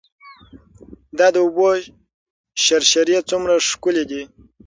دا د اوبو شرشرې څومره ښکلې دي.